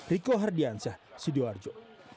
rico hardiansyah sidoarjo